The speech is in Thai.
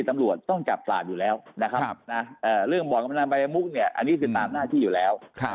ตำรวจต้องจับปลาอยู่แล้วนะครับเรื่องบ่อนกำพนันบายมุกเนี่ยอันนี้คือตามหน้าที่อยู่แล้ว